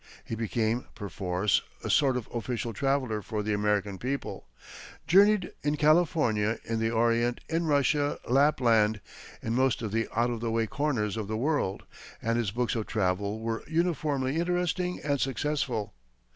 He became, perforce, a sort of official traveller for the American people, journeyed in California, in the Orient, in Russia, Lapland in most of the out of the way corners of the world and his books of travel were uniformly interesting and successful.